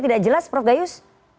tidak jelas prof gayus